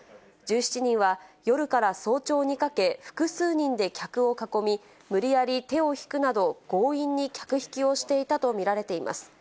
１７人は夜から早朝にかけ、複数人で客を囲み、無理やり手を引くなど、強引に客引きをしていたと見られています。